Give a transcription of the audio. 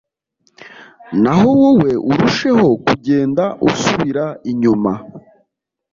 naho wowe urusheho kugenda usubira inyuma